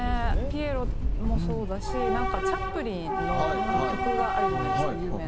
ピエロもそうだしチャップリンの曲があるじゃないですか有名な。